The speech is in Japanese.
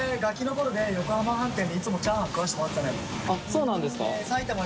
そうなんですか？